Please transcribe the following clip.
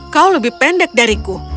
kau lebih pendek dariku